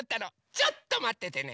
ちょっとまっててね！